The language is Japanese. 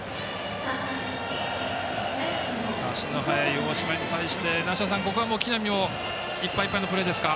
足の速い大島に対して梨田さん、木浪もいっぱいいっぱいのプレーですか。